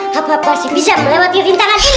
hap hap pasti bisa melewati bintangan ini